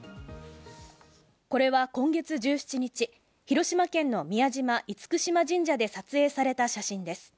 これは今月１７日、広島県の宮島・厳島神社で撮影された写真です。